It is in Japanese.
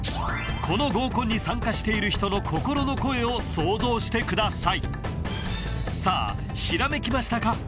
この合コンに参加している人の心の声を想像してくださいさあ閃きましたか？